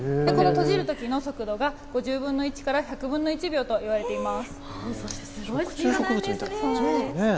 この閉じるときの速度が５分の１から１００分の１秒と言われてます。